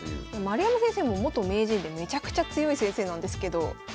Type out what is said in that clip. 丸山先生も元名人でめちゃくちゃ強い先生なんですけど。